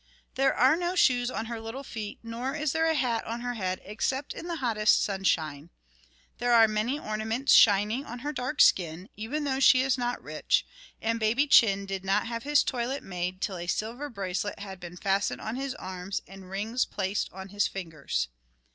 There are no shoes on her little feet, nor is there a hat on her head except in the hottest sunshine. There are many ornaments shining on her dark skin, even though she is not rich; and baby Chin did not have his toilet made till a silver bracelet had been fastened on his arms, and rings placed on his fingers.